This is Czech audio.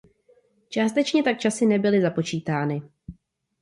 Částečně tak časy nebyly započítány.